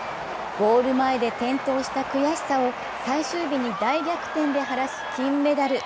ゴール前で転倒した悔しさを最終日に大逆転で晴らし金メダル。